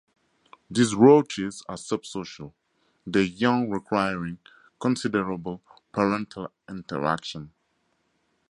These roaches are subsocial, their young requiring considerable parental interaction.